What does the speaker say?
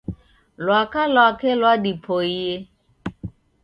Lwaka lwake lwadipoie.